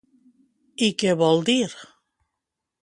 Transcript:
I què vol dir?